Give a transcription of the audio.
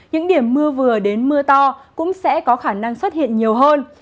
những điểm mưa vừa đến mưa to cũng sẽ có khả năng xuất hiện nhiều hơn